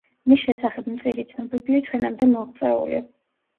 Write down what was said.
მის შესახებ მწირი ცნობებია ჩვენამდე მოღწეული.